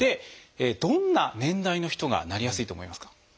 どんな年代の人がなりやすいと思いますか？